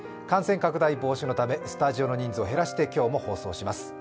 感染拡大防止のため、スタジオの人数を減らして今日も包装します。